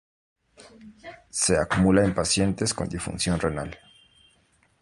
Se acumula en pacientes con disfunción renal.